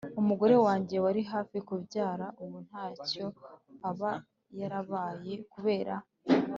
umugore wange wari hafi kubyara, ubu nta cyo aba yarabaye." kubera